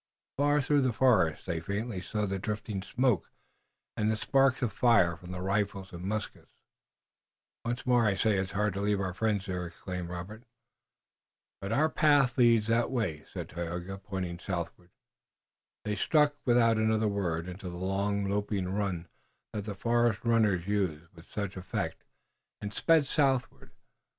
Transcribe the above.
Far through the forest they faintly saw the drifting smoke and the sparks of fire from the rifles and muskets. "Once more I say it's hard to leave our friends there," exclaimed Robert. "But our path leads that way," said Tayoga, pointing southward. They struck, without another word, into the long, loping run that the forest runners use with such effect, and sped southward.